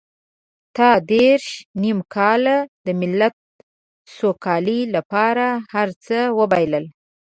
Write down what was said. تا دېرش نيم کاله د ملت سوکالۍ لپاره هر څه وبایلل.